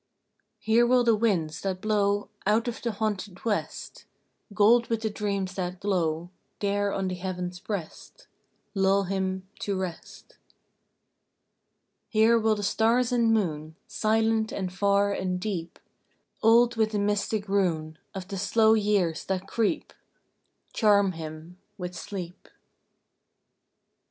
Here will the winds, that blow Out of the haunted west, Gold with the dreams that glow There on the heaven's breast, Lull him to rest. Here will the stars and moon, Silent and far and deep, Old with the mystic rune Of the slow years that creep, Charm him with sleep.